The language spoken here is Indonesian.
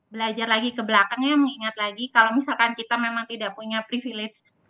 belajar lagi ke belakang ya mengingat lagi kalau misalkan kita memang tidak punya privilege